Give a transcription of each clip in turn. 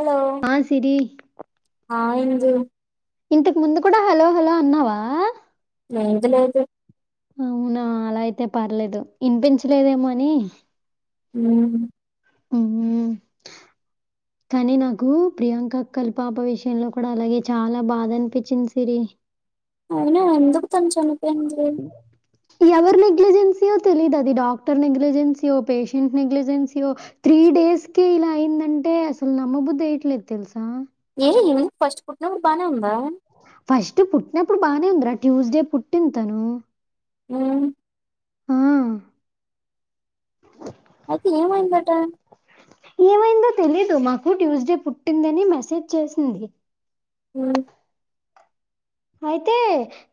Hello ఆ సిరి ఆ ఇందూ ఇంతకి ముందు కూడా హలో హలో అన్నావా లేదు లేదు ఆ అలా అయితే పర్లేదు ఇనిపించలేదేమో అని మ్ మ్ కానీ నాకు ప్రియాంక అక్క పాప విషయంలో కూడా అలాగే చాలా బాధ అనిపించింది సిరి అయినా ఎందు [unintelligible] ఎవరి నెగ్లజెన్సీయో తెలీయదు అది డాక్టర్ నెగ్లజెన్సయో పేషెంట్ నెగ్లజెన్సయో త్రీ డేస్ కే ఇలా అయిందంటే అసలు నమ్మబుద్ధేయట్లేదు తెలుసా అదేనే ఫస్ట్ పుట్ననప్పుడు బానే ఉందా ఫస్ట్ పుట్టినప్పుడు బానే ఉందిరా ట్యూస్డే పుట్టింది తను మ్ ఆ అడి ఏమైందట ఏమైందో తెలిదు మాకు ట్యూస్డే పుట్టిందని మెసేజ్ చేసింది ఉ అయితే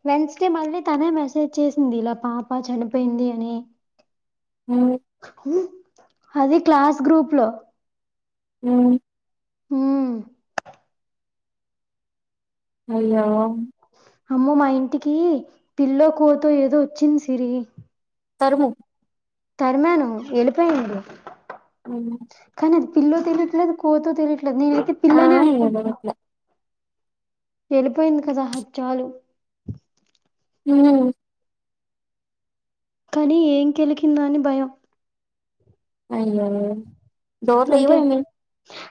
వెన్స్డే మళ్ళీ తనే మెసేజ్ చేసింది ఇలా పాప చనిపోయింది అని ఉమ్, ఉ అది క్లాస్ గ్రూప్ లో మ్ మ్ అయ్యో అమ్మ మా ఇంటికి పిల్లో కోతో ఏదో వచ్చింది సిరి తరుము తర్మాను వెళ్ళిపోయింది ఉ పిల్ల తెలీట్లేదు కోతో తెలియట్లేదు నేనైతే ఆ పిల్లనే ఏదో అనుకుంటున్నాను అట్లా వెళ్ళిపోయింది కదా ఆది చాలు ఉ కానీ ఏం కెలికింద అని భయం అయ్యో డోర్ లేవ అంటే ఏమి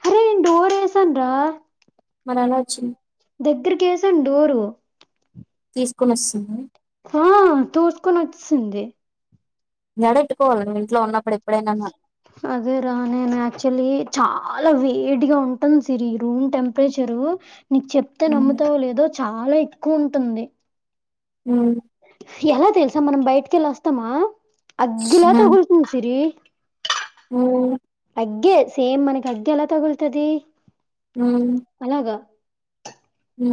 అరే నేను డోర్ ఎసను రా మరి ఎలా వచ్చింది దగ్గరకేసను డోర్ తీసుకొని వస్తుందా. ఆహ్ తోసుకొని వచ్చస్తుంది గేడెట్టుకోవాలి నువ్వు ఇంట్లో ఉన్నప్పుడు ఎప్పుడైనా అదే రా నేను యాక్చువల్లీ చాలా వేడిగా ఉంటాను సిరి రూమ్ టెంపరేచరు నీకు చెప్తే ఉమ్, నమ్ముతావు లేదో చాలా ఎక్కువ ఉంటుంది. హ ఎలా తెలుసా మనం బయటికిెళ్ళ వస్తామా అగ్గిలా తగులుతుంది సిరి ఊ అగ్గే సేమ్ మనకి అగ్గి ఎలా తగల్తది హ హు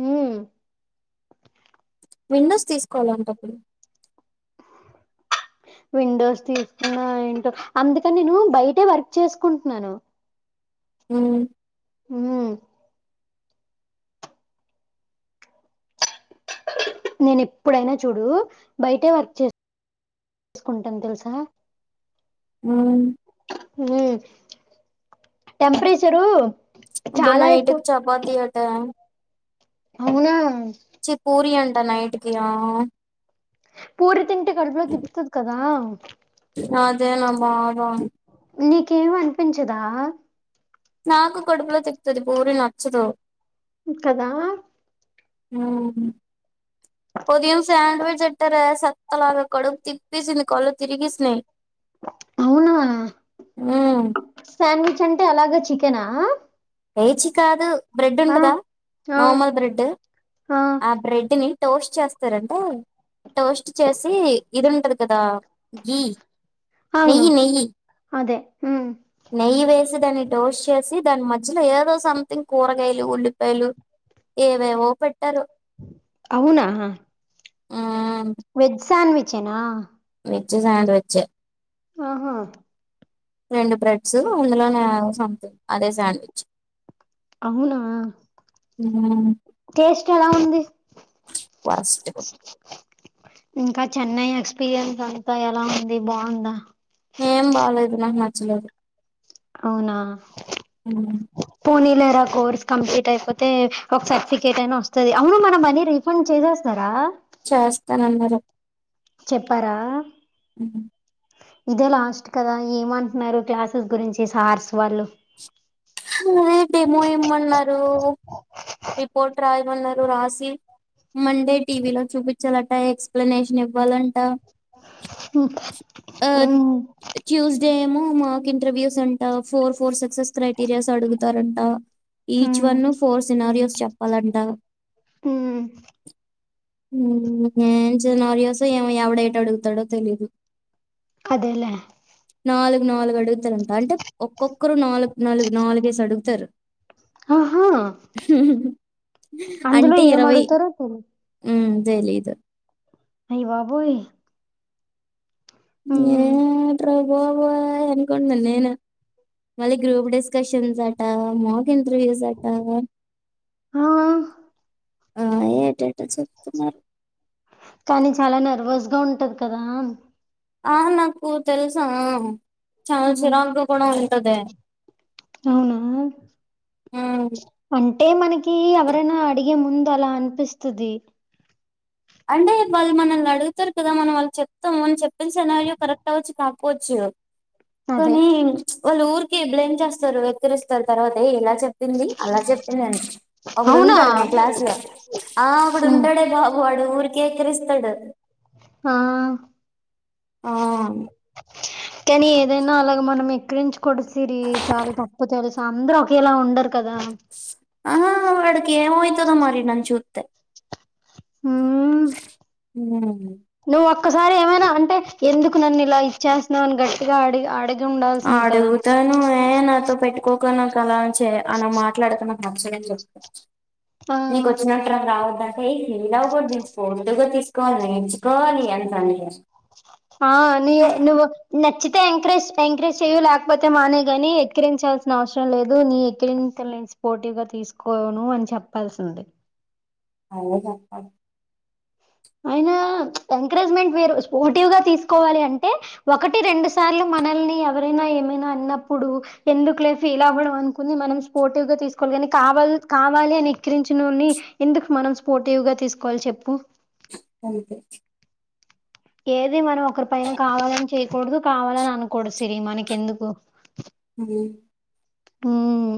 హమ్ విండోస్ తీసుకోవాలంటప్పుడు. విండోస్ తీసుకున్నా ఏంటో అందుకని నేను బయటే వర్క్ చేసుకుంటున్నాను హ హమ్ నేను ఎప్పుడైనా చూడు బయటే వర్క్ చే చేసుకుంటాను తెలుసా ఉమ్ హమ్ టెంపరేచరు అబ్బా చాలా ఎక్కువ నైటుకి చపాాతీ అట అవునా చిి పూరి అం అంట నైట్కి పూరి తింటే కడుపులో తిప్తది కదా అదే నా బాధ నీకేమి అనిపించదా నాకు కడుపులో తిపుతుంది పూరి నచ్చదు కదా హమ్ ఉదయం శాండ్విచ్ ఎట్టారే లాగా కడుపు తిప్పేసింది కళ్ళు తిరిగిసినాయి అవునా మ్మ్ శాండీ అంటే అలాగా చికెనా ఏ చి కాదు బ్రెడ్ ఆ ఉండదా ఆ నార్మల్ బ్రెడ్ ఆ బ్రెడ్ ని టోస్ట్ చేస్ స్తారంటే టోస్ట్ చేసి ఇది ఉంటది కదా గీ అవును నెయ్యి నెయ్యి అదే ఉమ్ నెయ్యి వేసి దాన్ని డోస్ చేసి దాని మధ్యలో ఏదో సంథింగ్ కూరగాయలు ఉల్లిపాయలు ఏవేవో పెట్టారు అవునా ఆ వెజ్ సండ్విచ్ వచ్చేనా విజ్ సాండ్విచ్ ఆహా రెండు బ్రెడ్స్ అందులో సంథింగ్ అదే శాండ్విచ్ అవునా చలా ఉంది వాస్ ఎ ఇంకా చెన్నై ఎక్స్పీరియన్స్ అంతా ఎలా ఉంది బాగుందా ఏం బాలేదు నాకు నచ్చలేదు అవునా అ ఫనీ లేరా కోర్స్ కంప్లీట్ అయిపోతే ఒక సర్టిఫికేట్ అయినా వస్తుంది అవును మన మనీ రిఫండ్ చేసేస్తారా చేస్తానన్నారు చెప్పారా అ ఇదే లాస్ట్ కదా ఏమంటున్నారు క్లాసెస్ గురించి సార్స్ వాళ్ళు అదే డెమో ఇమ్మన్నారు రిపోర్ట్ రా తమల్ న రాశి మండే టీవీలో చూపించాల ఎక్స్ప్లనేషన్ ఇవ్వాలంట అ [inaudible] మ ఇంటర్వ్యూస్ ఉంట ఫోర్ ఫోర్ స స టీరియస్ అడుగుతారంట ఈచ్ ఉమ్, వన్ ఫోర్ సినారిోస్ చెప్పాలంట హ న చి నారియోస్ ఏ ఎవడైట అడుగుతాడో తెలీదు అదేలే నాలుగు నాలుగు అడుగుతారుంట అంటే ఒక్కొక్కరు నాలుగు నాలుగు నాలుగ వేసి అడుగుతారు ఆహా అందులో ఏం అడుగుతారో పరు జయలీదు అయ్య బాబోయ్ ఏ ఉమ్, ట్రే బోబోయ్ అనుకున్నా నేను మళ్ళీ గ్రూప్ డిస్కషన్స్ అట మ కొంచెం ఇంటర్వ్యూస్ అట ఆ, ఆ ఏటేటో చెప్తున్నారు కానీ చాలా నర్వస్ గా ఉంటది కదా ఆ నాకు తెలుసా చాలా చిరాకుగా కూడా ఉంటది. అవునా హ్మ్. అంటే మనకి ఎవరైనా అడిగే ముం దలా అనిపిస్తుది అంటే వాళ్ళు మనల్ని అడుగుతారు కదా మనం వాళ్ళు చెప్తాము అని చెప్త ప్పిన సినారియో కరెక్ట్ అవ్వచ్చు కా పోచ్చు అదే కానీ వాళ్ళు ఊరికే బ్లేమ్ చేస్తారు వెక్కిరిస్తారు తర్వాత ఏ ఎలా చెప్పింది అలా చెప్పిందని ఒకడు అవునా ఉంటాడు మా క్లాస్ లో ఆ ఒకడు ఉమ్, ఉంటాడే బాబ్ ఊరికేే ఎక్కిరిస్తడు ఆ ఆ కానీ ఏదైనా అలాగ మనం ఎక్కిరించు కొడు సిరి చాల తప్పు తెల్సు అందరూ ఒకేలా ఉండరు కదా ఆ వాడికి ఏం ఐతుందో మరి నన్ చూ తె హ్మ్ నువ్వు [unintelligible] ఒక్కసారి ఏమైనా అంటే ఎందుకు నన్ను ఇలా ఇచ్చేస్త్నావని గట్టిగా అడి అడిగి ఉండాల్సింది కదా ఆడుగుతాను మే నాతో పెటు కోక నా కలాన్ చే అనా మాట్లాడకు నా నచ్చదని చెప్పచ్చు ఆ నీకు వచ్చినట్టు [unintelligible] [unintelligible] తీసుకోవాలి నేర్చుకోవాలి అంతని ఆ ని నువ్వు నచ్చితే ఎంకరేజ్ ఎంకరేజ్ చెయ్యు లేకపోతే మానేయ్ గాని ఎక్కిరించాల్సిన అవసరం లేదు నీ ఎక్కిరింతలు నేను స్పోర్టివ్ గా తీసుకోను అని చెప్పాల్సింది అదే చెప్ప [inaudible] అయినా ఎంకరేజ్మెంట్ వేరు స్పోర్టివ్ గా తీసుకోవాలి అంటే ఒకటి రెండు సార్లు మనల్ని ఎవరైనా ఏమైనా అన్నప్పుడు ఎందుకులే ఫీల్ అవ్వడం అనుకుని మనం స్పోర్టివ్ గా తీసుకోవాలి కానీ కావాల్ కావాలి అని ఎక్కిరించినోని ఎందుకు మనం స్పోర్టివ్ గా తీసుకోవాలి చెప్పు అంతే ఏది మనం ఒకరి పైన కావాలని చేయ్ కూడదు కావాలని అనుకూడదు సిరి మనకెందుకు హ ఉమ్మ్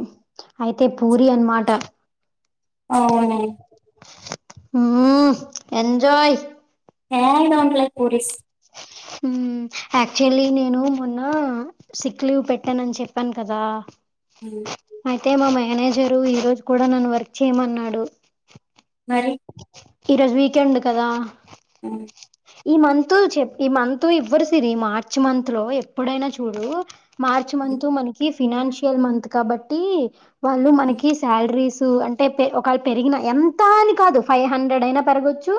అయితే పూరి అనమాట అవును హ ఎజాయ్ ఏ ఇద ఉండలే పూరిస్ యాక్చువల్లీ నేను మొన్న సిక్ లీవ్ పెట్టాన అని చెప్పాను కదా జ అయితే మా మేనేజరు ఈరోజు కూడా నన్ను వర్క్ చేయమన్నాడు. మరి ఈ రోజు వీకెండ్ కదా అ ఈ మంత్ చె ఈ మంత్ ఇవ్వరుసిరి ఈ మార్చ్ మంత్ లో ఎప్పుడైనా చూడు మార్చ హ్మ్. మంత్ మనకి ఫినాన్షియల్ మంత్ కాబట్టి. వాళ్ళు హ్మ్. మనకి శాలరీస్. అంటే ఒకవళ పెరిగిన ఎంత అని కాదు ఫైవ్ హండ్రెడ్ అయినా పెరగొచ్చు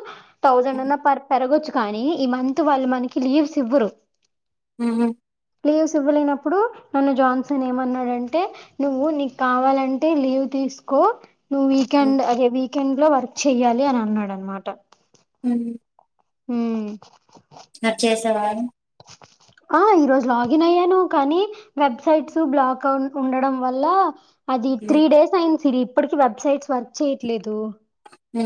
థౌసండ్ హ్మ్. అన్న పర్ పెరగ వచ్చు కానీ ఈ మంత్ వాళ్ళు మనకి లీవ్స్ ఇవ్వరు ఆ లీవ్స్ ఇవ్వలేనప్పుడు నన్ను జాన్సన్ ఏమన్నాడంటే నువ్వు నీకు కావాలంటే లీవ్ తీసుకో ట వీక హ్మ్. ఎండ్ అవి వీకెండ్ లో వర్క్ చెయ్యాలి అని అన్నాడు అన్నమాట అ హ మరి చేసావా ఆ ఈరోజు లాగిన్ అయ్యాను కానీ వెబ్సైట్స్ బ్లాక్ అ ఉండడం వల్ల అది త్రీ హ్మ్. డేస్ అయింది సిరి ఇప్పటికి వెబ్సైట్స్ వర్క్ చేయట్లేదు హ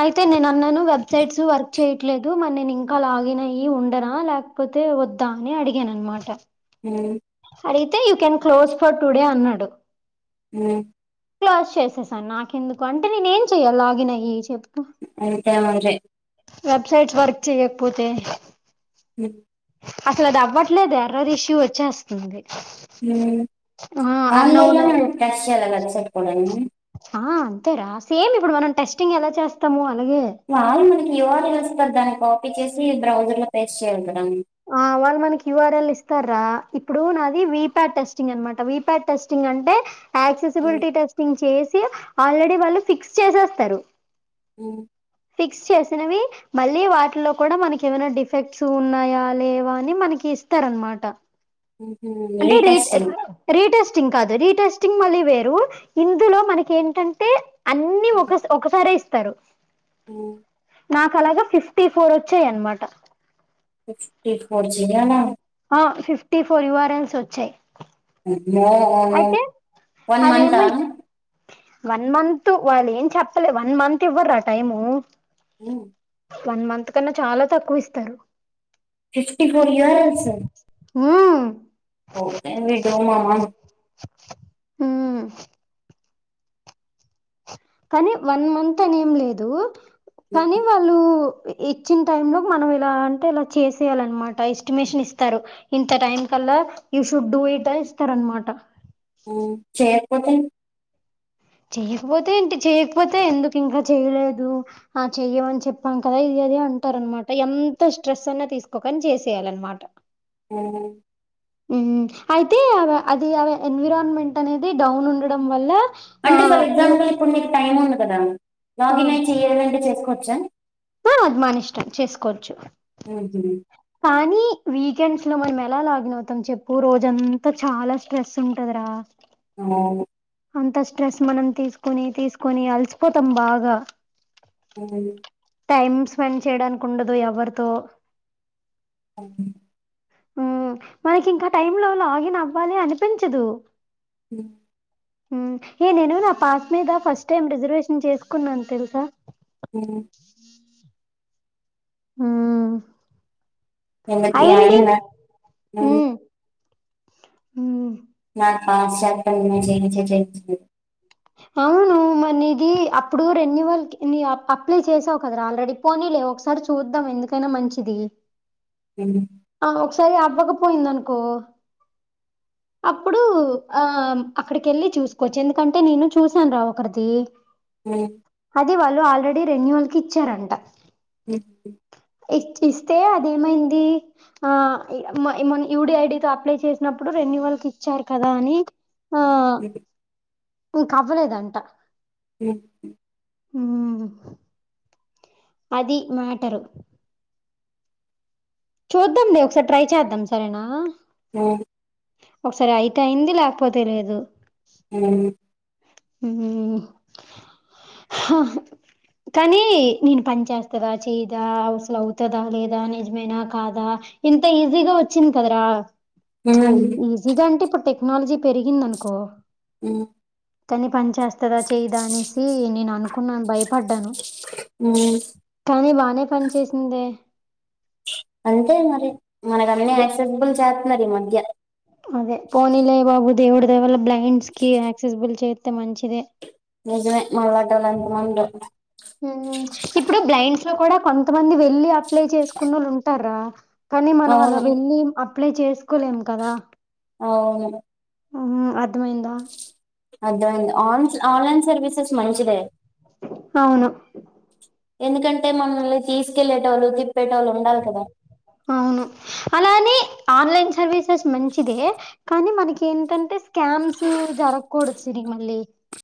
అయితే నే నా ను వ వెబ్సైట్స్ వర్కు చేయట్లేదు మరి నేను ఇంకా లాగిన్ అయ్యి ఉండరా లేకపోతే వద్దా అని అడిగాను అనమాట. అ అడిగితే you can close for today అన్నాడు. అ క్లోజ్ చేసే సార్ నాక ఎందుకు అంటే నేను ఏం చెయ్యి లాగిన్ అయ్యి చె అంతే మండ్రి వెబ్సైట్స్ వర్క్ చేయ్యకపోతే మీ అసలు అవ్వట్లేదు ఎర్రర్ ఇస్సు వచ్చేస్తుంది అది అన్నౌన్ ఆన్లైన్ ఎర్రర్ కష్ అాల వెసైట్ పోడా ఆ అంతేరా సేమ్ ఇప్పుడు మనం టెస్టింగ్ ఎలా చేస్తాము. అలాగే వాళ్ళు మనకి ఎవరు తెలుస్తందానికో పిచేసి బ్రౌజర్ లో పేస్ చేయాలి మామ్ ఆ వాళ్ళ మనకి ఇవారాల్ ఇస్తార ఇప్పుడు నాది వి ప్యాడ్ టెస్టింగ్ అనమాట వి ప్యాడ్ టెస్టింగ్ అంటే హ్మ్. యాక్సెసిబిలిటీ టెస్టింగ్ చేస్ సి ఆల్రెడీ వాళ్ళు ఫిక్స్ చేసేస్తారు హ్మ్. ఫిక్స్ చేసినవి మళ్ళీ వాటిలో కూడా మనకి ఏమైనా డిఫెక్ట్స్ ఉన్నాయా లేవా అని మనకి ఇస్తారనమాట హుహు. అంటే రీ రీటెస్టింగ్. రీటెస్టింగ్ కాదు రీటెస్టింగ్ టీంగ్ మళ్ళీ వేరు ఇందులో మనకి ఏంటంటే అన్నీ హ్మ్. ఒక ఒకసారే ఇ తరు హ్మ్. నాకు అలాగా ఫిఫ్టీ ఫోర్ వచ్చాయి అన్నమాట ఫిఫటీ ఫోర్ జయానా ఆ ఫిఫ్టీ ఫోర్ యువర్న్స్ వచ్చాయ్ ఓఓ వన్ మంత్తా తు వాళ్ళు ఏం చెప్పలే వన్ మంత్ ఇవ్వర్ర టైము ఉమ్ వన్ మంత్ కన్నా చాలా తక్కువ ఇస్తారు ఫిఫ్టీటీ ఫోర్ ఇయర్స్ ఉమ్ మామ. హుమ్ కానీ వన్ మంత్ అని ఏం లేదు హ్మ్. కానీ వాళ్ళు ఇచ్చిన టైమ్ లోపు మనం ఇలా అంటే ఇలా చేసేయాలనమాట ఎస్టిమేషన్ ఇస్తారు ఇంత టైం కల్లా యూ షుడ్ డూ ఇట్ అని ఇస్తారు అనమాట ఉమ్ చె పోతే చెయకపోతే ఏంటి చేయకపోతే ఎందుకు ఇంకా చెయలేదు ఆ చెయ్యమని చెప్పాం కదా ఇది అది అంటారు అనమాట ఎంత స్ట్రెస్ అన్నా తీసుకోకని చేసేయాల అనమాట ఉమ్ ఉమ్ అయితే అ అది అవి ఎన్విరాన్మెంట్ అనేది డౌన్ ఉండడం వల్ల ఆ యు టైమ్ ఉంది కదా లాగిన్ అయ్యి చెయ్యాలంటే చేసుకోండ్ చ్చా ఆ అదిమానిష్టం చేసుకోవచ్చు ఉహుం. కానీ వీకెండ్స్ లో మనం ఎలా లోగినవుతం చెప్పు రోజంతా చాలా స్ట్రెస్ ఉంటదరా అవును అంత స్ట్రెస్ మనం తీసుకుొని తీసుకుొని అలసిపోతాం బాగా అ టైమ్ స్పెండ్ చేయడానికి ఉండదు ఎవరితో అవును ఉ మనకి ఇంకా టైమ్ లో లాగిన్ అవ్వాలి అనిపించదు ఉ ఏ నేను నా పాస్ మీద ఫస్ట్ టైమ్ రిజర్వేషన్ చేసుకున్నాను తెలుసా అ ఉమ్ ఎందుకు ఈ అయింది అయిందా ఉమ్ ఉ [unintelligible] అవును మ నీది అప్పుడు రెన్యువల్ అప్లై చేసావు కదరా ఆల్రెడీ పోనీ లే ఒకసారి చూద్దాం ఎందుకైనా మంచిది ఉమ్ ఆ ఒకసారి అవ్వకపోయిందనుకో అప్పుడు ఆ అక్కడికి వెళ్ళి చూసుకోవచ్చు ఎందుకంటే నేను చూసాను రా ఒకరిది ఆ అది వాళ్ళు ఆల్రెడీ రెన్యయువల్ కి ఇచ్చారంట హ ఇ ఇస్తే అదేమైంది ఆమ యయుడి ఐడితో అప్లై చేసినప్పుడు రెన్యువల్ కి ఇచ్చారు కదా అని ఆ అ ఇంక అవ్వలేదంట ఉమ్ ఉమ్ అది మేటర్ ఉ చూద్దాంండి ఒకసారి ట్రై చేద్దాం సరేనా ఆ ఒకసారి అయితయింది లేకపోతే లేదు అ హ కానీ నేను పని చేస్తాదా చేయదా అసలు అవుతందా లేదా నిజమేనా కాదా ఇంత ఈజీగా వచ్చింది కదరా ఉమ్, ఈజీగా అంటే ఇప్పుడు టెక్ టెక్నాలజీ పెరిగిందనుకో ఉమ్ కాని పంచస్త వస్తుదా చేయదా అనేసి నేను అనుకున్నాను భయపడ్డాను ఉమ్. కానీ బానే పని చేసిందే అంతే మరి మనకి అన్ని అదే అక్సెసబల్ చా న్నరి మధ్య అదే పోనీలే బాబు దేవుడి దే వల్ల బ్లైండ్స్ కి యాక్సెస్బుల్ చేస్తే మంచిదే నిజమే మలాటలా అంత మ ఉమ్ ఇప్పుడు బ్లైండ్ లో కూడా కొంతమంది వెళ్లిి అప్లై చేసుకున్న వాళ్ళు ఉంటారా కానీ మనం అవును అలావెళ్ళి అప్లై చేసుకోలేము కదా అవును అర్ధమైందా అద ఆన్స్ ఆన్లైన్ సర్వీసెస్ మంచిదే అవును ఎందుకంటే మనల్లి తీసుకెళ్లేేటోళ్ళు పెట్టే వాళ్ళు ఉండాలి కదా అవును అలానే ఆన్లైన్ సర్వీసెస్ మంచిదే కానీ మనకి ఏంటంటే స్కామ్స్ జరగకూడదు సిరి మళ్ళీ